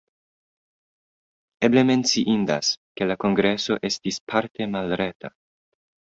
Eble menciindas, ke la kongreso estis parte malreta.